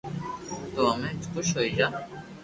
تو ھمي خوݾ ھوئي جا